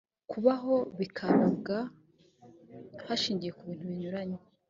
kubaho bikabarwa hashingiwe ku bintu binyuranye